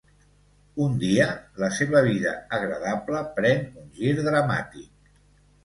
Un dia, la seva vida agradable pren un gir dramàtic.